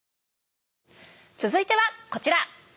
続いてはこちら。